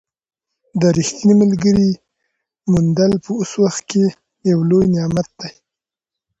د ریښتیني ملګري موندل په اوس وخت کې یو لوی نعمت دی.